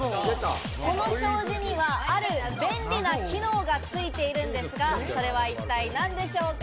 この障子には、ある便利な機能がついているんですが、それは一体何でしょうか。